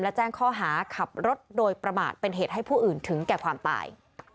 และแจ้งข้อหาขับรถโดยประมาทเป็นเหตุให้ผู้อื่นถึงแก่ความตาย